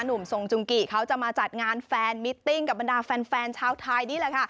หนุ่มทรงจุงกิเขาจะมาจัดงานแฟนมิตติ้งกับบรรดาแฟนชาวไทยนี่แหละค่ะ